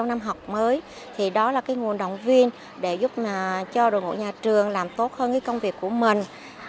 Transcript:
năm học mới thì đó là cái nguồn động viên để giúp cho đội ngũ nhà trường làm tốt hơn cái công việc của mình